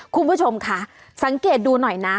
คุณผู้ชมค่ะสังเกตดูหน่อยนะ